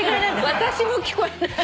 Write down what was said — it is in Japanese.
私も聞こえない。